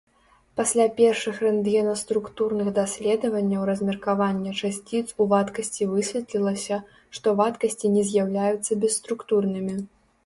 Пасля першых рэнтгенаструктурных даследаванняў размеркавання часціц ў вадкасці высветлілася, што вадкасці не з'яўляюцца бесструктурнымі.